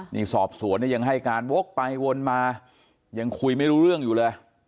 นี่สอบสวนเนี่ยยังให้การวกไปวนมายังคุยไม่รู้เรื่องอยู่เลย